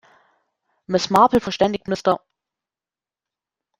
Miss Marple verständigt Mr.